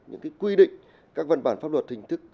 những quy định các văn bản pháp luật hình thức